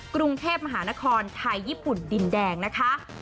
กรุงเทพมหานครไทยญี่ปุ่นดินแดงนะคะ